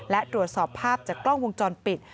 และตรวจสอบภาพจากกล้องวงจรปิด